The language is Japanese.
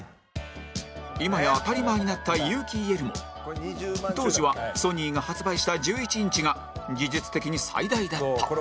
今や当たり前になった有機 ＥＬ も当時はソニーが発売した１１インチが技術的に最大だった